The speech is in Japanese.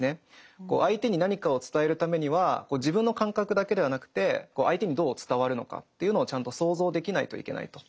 相手に何かを伝えるためには自分の感覚だけではなくて相手にどう伝わるのかというのをちゃんと想像できないといけないと。